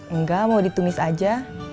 enggak mau ditumis aja